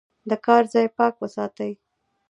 د کار ځای پاک وساتئ.